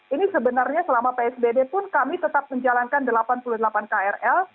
ini sebenarnya selama psbb pun kami tetap menjalankan delapan puluh delapan krl